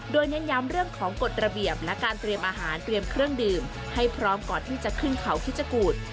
โดยเน้นย้ำเรื่องของกฎระเบียบและการเตรียมอาหารเตรียมเครื่องดื่มให้พร้อมก่อนที่จะขึ้นเขาคิชกูธ